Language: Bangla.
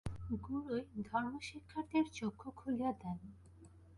গুরুই ধর্মশিক্ষার্থীর চক্ষু খুলিয়া দেন।